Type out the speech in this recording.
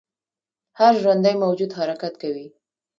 هر ژوندی موجود حرکت کوي